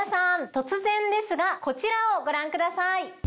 突然ですがこちらをご覧ください。